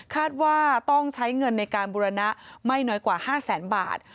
ว่าต้องใช้เงินในการบุรณะไม่น้อยกว่า๕แสนบาท